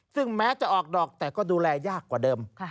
ซึ่งแม้จะออกดอกแต่ก็ดูแลยากกว่าเดิม